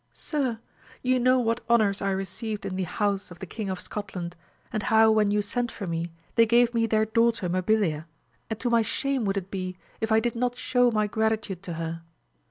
Sir, you know what honours I received in the house of the King of Scotland, and how when you sent for me, they gave me their daughter Mabilia, and to my shame would it be if I did not shew my gratitude to her.